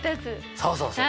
そうそうそう。